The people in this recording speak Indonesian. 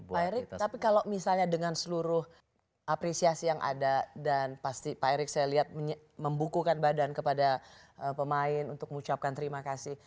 pak erik tapi kalau misalnya dengan seluruh apresiasi yang ada dan pasti pak erick saya lihat membukukan badan kepada pemain untuk mengucapkan terima kasih